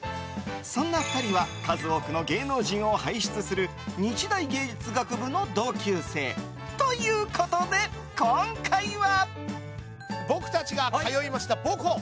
そんな２人は数多くの芸能人を輩出する日大芸術学部の同級生ということで、今回は。